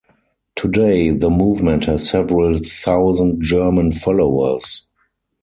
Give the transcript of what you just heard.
Today the movement has several thousand German followers.